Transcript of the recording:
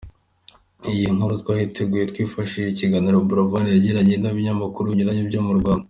Iyi nkuru twayiteguye twifashishije ibiganiro Buravan yagiye agirana n’ ibinyamakuru binyuranye byo mu Rwanda.